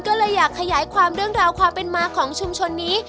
ก็เลยอยากขยายความเรื่องราวความเป็นมาของชุมชนนี้